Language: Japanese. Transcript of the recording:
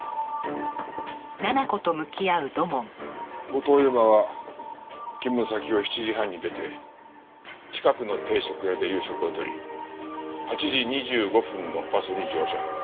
後藤佑馬は勤務先を７時半に出て近くの定食屋で夕食をとり８時２５分のバスに乗車。